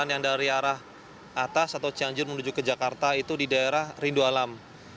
yang dari arah atas atau cianjur menuju ke jakarta itu di daerah rindu alam